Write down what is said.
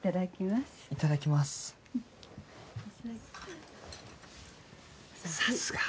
いただきます。